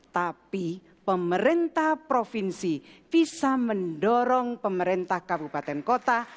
tapi pemerintah provinsi bisa mendorong pemerintah kabupaten kota